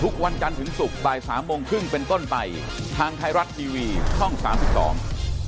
วันจันทร์ถึงศุกร์บ่ายสามโมงครึ่งเป็นต้นไปทางไทยรัฐทีวีช่องสามสิบสอง